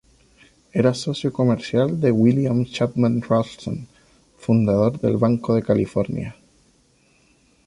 Era socio comercial de William Chapman Ralston, fundador del Banco de California.